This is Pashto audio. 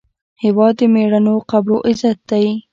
هېواد د میړنیو قبرو عزت دی.